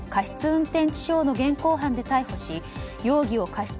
運転致傷の現行犯で逮捕し容疑を過失